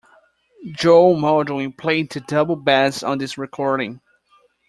Joe Mauldin played the double bass on this recording.